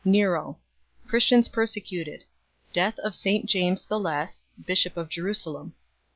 Nero. Christians persecuted. Death of St James the Less, Bishop of Jerusalem.